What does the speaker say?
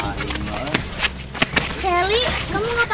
nah ini mah